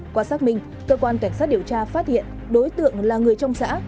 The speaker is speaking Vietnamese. qua xác minh cơ quan cảnh sát điều tra phát hiện đối tượng là người trong xã